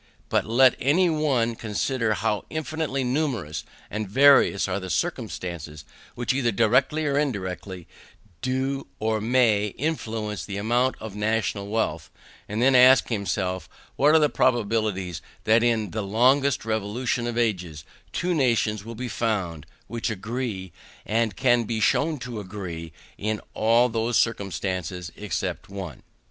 But let any one consider how infinitely numerous and various are the circumstances which either directly or indirectly do or may influence the amount of the national wealth, and then ask himself what are the probabilities that in the longest revolution of ages two nations will be found, which agree, and can be shown to agree, in all those circumstances except one?